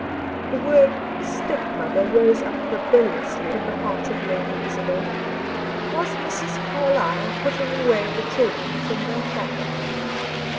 The word "stepmother" rose up rebelliously in the heart of Lady Isabel. Was Mrs. Carlyle putting away the children from their father?